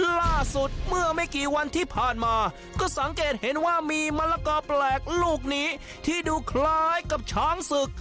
ล่าสุดเมื่อไม่กี่วันที่ผ่านมาก็สังเกตเห็นว่ามีมะละกอแปลกลูกนี้ที่ดูคล้ายกับช้างศึก